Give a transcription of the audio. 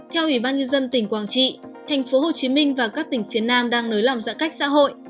theo ubnd tỉnh quảng trị tp hcm và các tỉnh phía nam đang nới lòng giãn cách xã hội